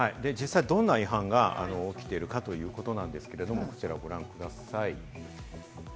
どんな違反が起きてるかということですけれども、ご覧ください。